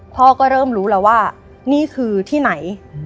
พ่อก็เริ่มรู้แล้วว่านี่คือที่ไหน